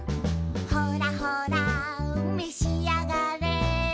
「ほらほらめしあがれ」